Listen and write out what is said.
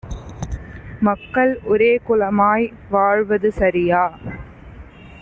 மக்கள் ஒரேகுலமாய் வாழ்வது சரியா?